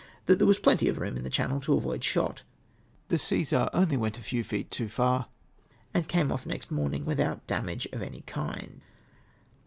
that there was plenty of room in the channel to avoid shot. The Ccesar only Av'cnt a fcAv feet too far, and came off next morn ing without damage of any kind.